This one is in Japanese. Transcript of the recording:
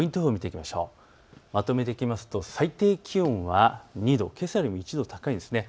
まとめていきますと最低気温は２度、けさよりも１度高いんです。